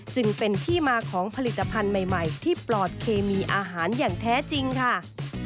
จึงเป็นที่มาของผลิตภัณฑ์ใหม่ที่ปลอดเคมีอาหารอย่างแท้จริงค่ะ